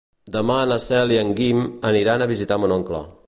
Demà na Cel i en Guim aniran a visitar mon oncle.